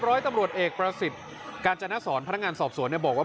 ร้อยตำรวจเอกประสิทธิ์กาญจนสอนพนักงานสอบสวนบอกว่า